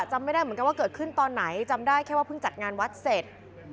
จำไม่ได้เหมือนกันว่าเกิดขึ้นตอนไหนจำได้แค่ว่าเพิ่งจัดงานวัดเสร็จ